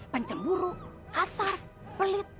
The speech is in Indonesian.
pencemburu kasar pelit